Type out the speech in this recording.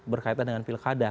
berkaitan dengan pilkada